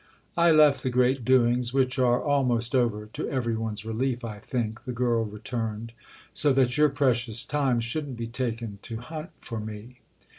"I left the great doings, which are almost over, to every one's relief, I think," the girl returned, "so that your precious time shouldn't be taken to hunt for me."